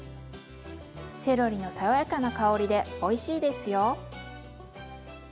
セロリの爽やかな香りでおいしいですよ。